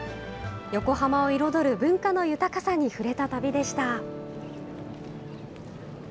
横浜を彩る文化の豊かさに触れた旅でした。